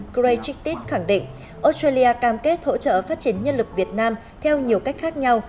gray chitis khẳng định australia cam kết hỗ trợ phát triển nhân lực việt nam theo nhiều cách khác nhau